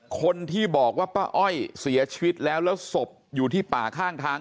คนที่บอกว่าป้าอ้อยเสียชีวิตแล้วแล้วศพอยู่ที่ป่าข้างทาง